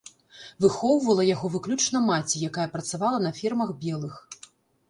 Выхоўвала яго выключна маці, якая працавала на фермах белых.